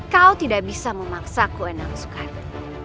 kau tidak bisa memaksaku enak sukarno